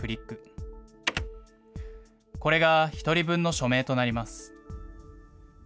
これが１人分の署名となります。